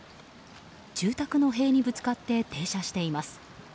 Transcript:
住宅の塀にぶつかって停車しています。